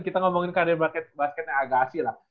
kita ngomongin karir basket basketnya agassi lah